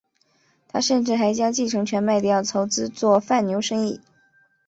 他甚至还将继承权卖掉筹资做贩牛生意。